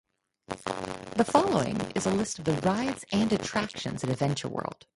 The following is a list of the rides and attractions at Adventure World.